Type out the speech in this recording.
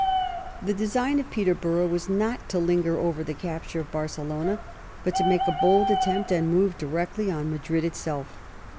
The design of Peterborough was not to linger over the capture of Barcelona, but to make a bold attempt and move directly on Madrid itself.